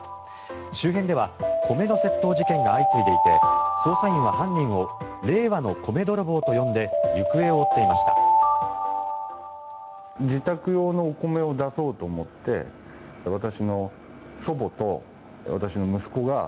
周辺では米の窃盗事件が相次いでいて捜査員は犯人を令和の米泥棒と呼んで行方を追っていました。